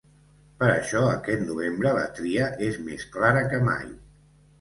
Per això, aquest novembre la tria és més clara que mai.